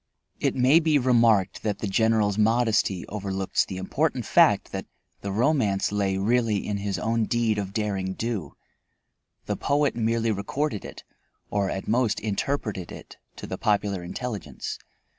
It may be remarked that the General's modesty overlooks the important fact that the romance lay really in his own deed of derring do; the poet merely recorded it, or at most interpreted it to the popular intelligence.